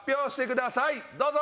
どうぞ！